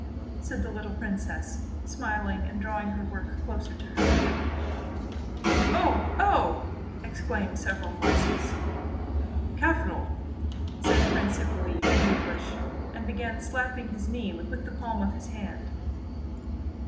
said the little princess, smiling and drawing her work nearer to her. "Oh! Oh!" exclaimed several voices. "Capital!" said Prince Hippolyte in English, and began slapping his knee with the palm of his hand.